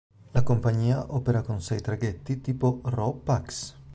La compagnia opera con sei traghetti tipo Ro-Pax.